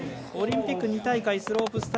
オリンピック２大会スロープ